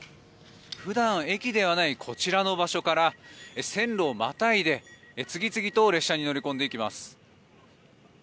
普段、駅ではないこちらの場所から線路をまたいで、次々と列車に乗り込んでいきます。